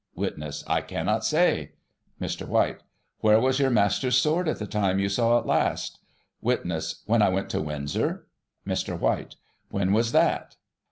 Witness : I cannot say. Mr. White i Where was your master's sword at the time you saw it last.? Witness : When I went to Windsor. Mr. White : When was that